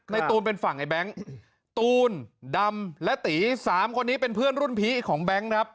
ตูนเป็นฝั่งไอ้แบงค์ตูนดำและตี๓คนนี้เป็นเพื่อนรุ่นพี่ของแบงค์ครับ